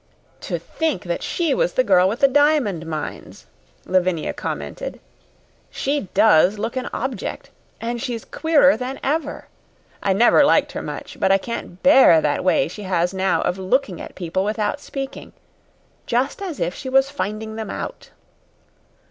"To think that she was the girl with the diamond mines," Lavinia commented. "She does look an object. And she's queerer than ever. I never liked her much, but I can't bear that way she has now of looking at people without speaking just as if she was finding them out."